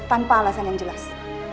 tanpa alasan yang jelas